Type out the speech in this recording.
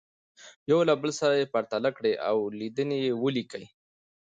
یو له بل سره یې پرتله کړئ او لیدنې ولیکئ.